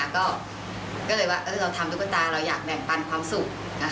ก็เลยว่าเราทำตุ๊กตาเราอยากแบ่งปันความสุข